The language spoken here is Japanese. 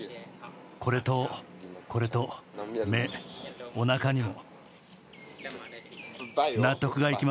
これとこれと目、おなかにも。